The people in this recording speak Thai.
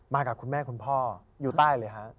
กับคุณแม่คุณพ่ออยู่ใต้เลยฮะ